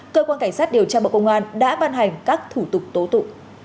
cơ quan cảnh sát điều tra bộ công an đã ban hành các thủ tục tố tụ